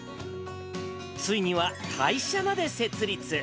ついには会社まで設立。